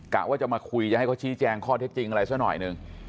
กะว่าจะมาคุยจะให้เขาชี้แจงข้อเท็จจริงอะไรสักหน่อยหนึ่ง